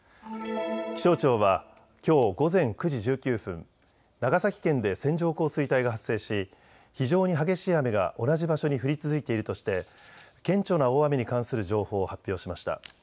気象庁はきょう午前９時１９分、長崎県で線状降水帯が発生し非常に激しい雨が同じ場所に降り続いているとして顕著な大雨に関する情報を発表しました。